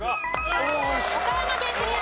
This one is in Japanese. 岡山県クリア。